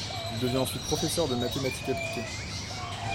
Il devient ensuite professeur de mathématiques appliquées.